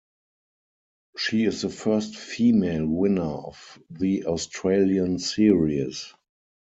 She is the first female winner of the Australian series.